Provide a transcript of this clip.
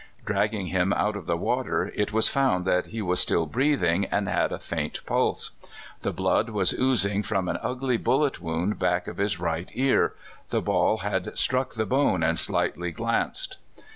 Dragging him out of the water, it was found that he was still breathing and had a faint pulse. The blood was oozing from an ugly bullet wound back of his right ear — the ball had struck the bone and slightly glanced.